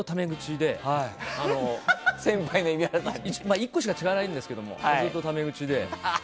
１個しか違わないんですけどずっとため口で。